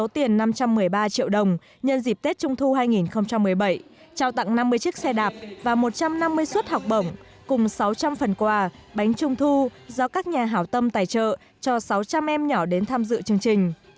năm trăm một mươi ba triệu đồng nhân dịp tết trung thu hai nghìn một mươi bảy trao tặng năm mươi chiếc xe đạp và một trăm năm mươi suất học bổng cùng sáu trăm linh phần quà bánh trung thu do các nhà hảo tâm tài trợ cho sáu trăm linh em nhỏ đến tham dự chương trình